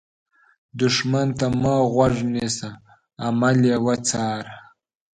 دښمن ته مه غوږ نیسه، عمل یې وڅار